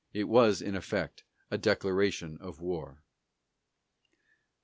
It was, in effect, a declaration of war.